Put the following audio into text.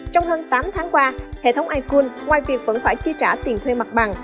trong hơn tám tháng qua hệ thống iphone ngoài việc vẫn phải chi trả tiền thuê mặt bằng